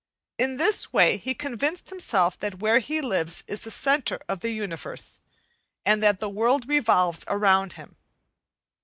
In this way he convinced himself that where he lives is the centre of the universe, and that the world revolves around him.